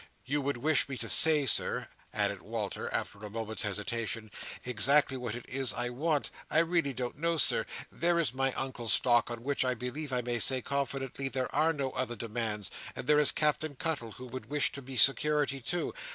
You would wish me to say, Sir," added Walter, after a moment's hesitation, "exactly what it is I want. I really don't know, Sir. There is my Uncle's stock, on which I believe I may say, confidently, there are no other demands, and there is Captain Cuttle, who would wish to be security too.